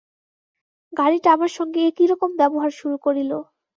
গাড়িটা আমার সঙ্গে এ কিরকম ব্যবহার শুরু করিল।